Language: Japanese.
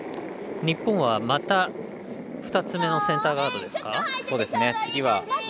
日本は２つ目のセンターガードですか。